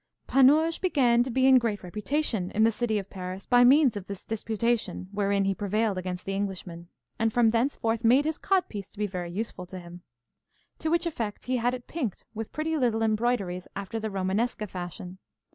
Panurge began to be in great reputation in the city of Paris by means of this disputation wherein he prevailed against the Englishman, and from thenceforth made his codpiece to be very useful to him. To which effect he had it pinked with pretty little embroideries after the Romanesca fashion.